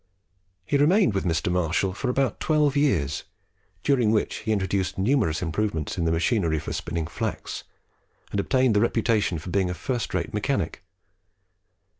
He remained with Mr. Marshall for about twelve years, during which he introduced numerous improvements in the machinery for spinning flax, and obtained the reputation of being a first rate mechanic.